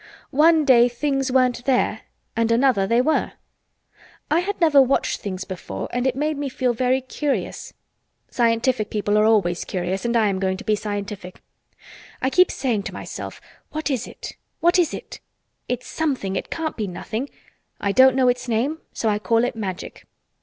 One day things weren't there and another they were. I had never watched things before and it made me feel very curious. Scientific people are always curious and I am going to be scientific. I keep saying to myself, 'What is it? What is it?' It's something. It can't be nothing! I don't know its name so I call it Magic.